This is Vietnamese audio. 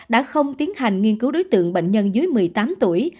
đã không tiến hành nghiên cứu đối tượng bệnh nhân dưới một mươi tám tuổi